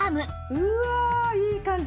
うわあいい感じ！